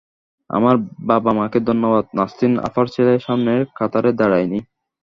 আমার বাবা-মাকে ধন্যবাদ, নাসরিন আপার ছেলে সামনের কাতারে দাঁড়ায়নি।